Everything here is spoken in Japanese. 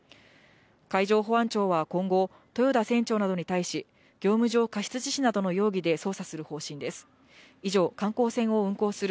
海上保安庁は今後、豊田船長などに対し、業務上過失致死などの容疑で捜査する方針です。